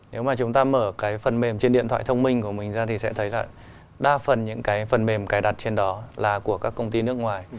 nếu mà chúng ta mở cái phần mềm trên điện thoại thông minh của mình ra thì sẽ thấy là đa phần những cái phần mềm cài đặt trên đó là của các công ty nước ngoài